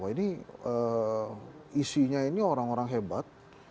ini isinya ini orang orang hebat